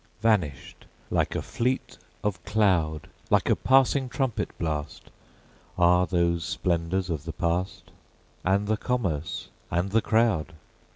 Vanished like a fleet of cloud, Like a passing trumpet blast, Are those splendors of the past, And the commerce and the crowd!